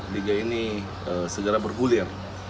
liga ini segera bergulir